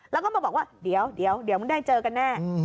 แล้วก็มาบอกว่าเดี๋ยวมึงได้เจอกันแน่